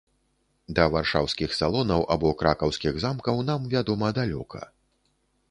Да варшаўскіх салонаў або кракаўскіх замкаў нам, вядома, далёка.